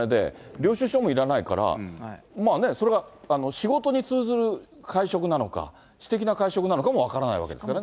領収書もいらないから、それが仕事に通ずる会食なのか、私的な会食なのかも分からないわけですからね。